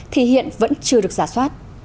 thì hiện vẫn chưa được giả soát